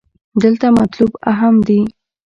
دلته مطلوب اهم دې.